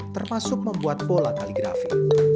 termasuk membuat pola kaligrafi